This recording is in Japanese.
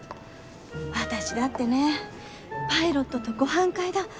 私だってねパイロットとご飯会だ